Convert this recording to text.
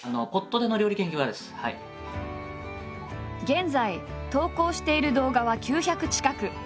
現在投稿している動画は９００近く。